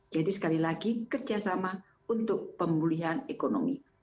jadi sekali lagi kerjasama untuk pemulihan ekonomi